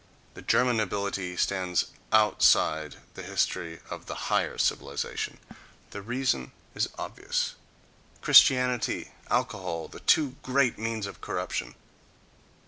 The German nobility stands outside the history of the higher civilization: the reason is obvious.... Christianity, alcohol—the two great means of corruption....